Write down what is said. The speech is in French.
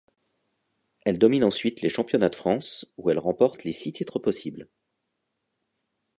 Elle domine ensuite les championnats de France, où elle remporte les six titres possibles.